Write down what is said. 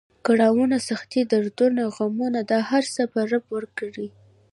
کړاونه، سختۍ، دردونه، غمونه دا هر څه به رب ورک کړي.